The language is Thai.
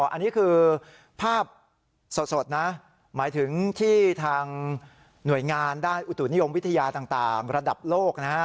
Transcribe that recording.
อันนี้คือภาพสดนะหมายถึงที่ทางหน่วยงานด้านอุตุนิยมวิทยาต่างระดับโลกนะฮะ